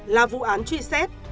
là vụ án truy xét